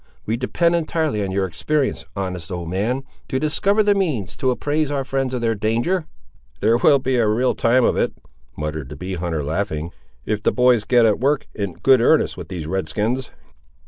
We depend entirely on your experience, honest old man, to discover the means to apprise our friends of their danger." "There will be a real time of it," muttered the bee hunter, laughing, "if the boys get at work, in good earnest, with these red skins!"